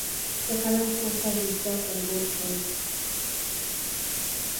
The current focus is back on both sides.